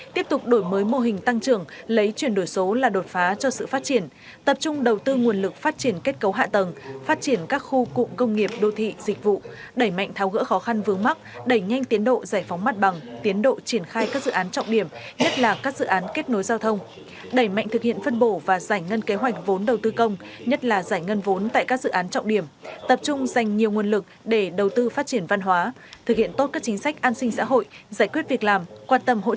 tiếp tục đổi mới mô hình tăng trưởng lấy chuyển đổi số là đột phá cho sự phát triển tập trung đầu tư nguồn lực phát triển kết cấu hạ tầng phát triển các khu cụ công nghiệp đô thị dịch vụ đẩy mạnh tháo gỡ khó khăn vướng mắc đẩy nhanh tiến độ giải phóng mặt bằng tiến độ triển khai các dự án trọng điểm nhất là các dự án kết nối giao thông đẩy mạnh thực hiện phân bổ và giải ngân kế hoạch vốn đầu tư công nhất là giải ngân vốn tại các dự án trọng điểm tập trung dành nhiều nguồn lực để đầu